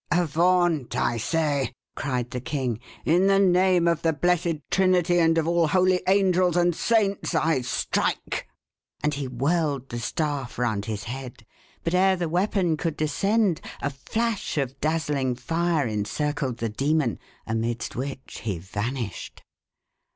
"Avaunt, I say!" cried the king. "In the name of the blessed Trinity, and of all holy angels and saints, I strike!" And he whirled the staff round his head. But ere the weapon could descend, a flash of dazzling fire encircled the demon, amidst which he vanished.